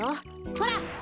ほら。